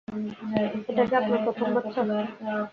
এটা কি আপনার প্রথম বাচ্চা?